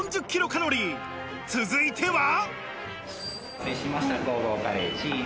続いては。